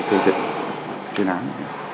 xây dựng truyền án